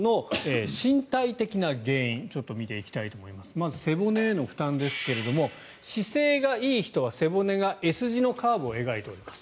まず背骨への負担ですが姿勢がいい人は背骨がＳ字のカーブを描いています。